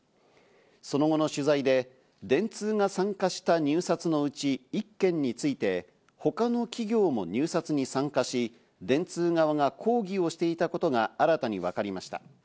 その後の取材で電通が参加した入札のうち１件について、他の企業も入札に参加し、電通側が抗議をしていたことが新たに分かりました。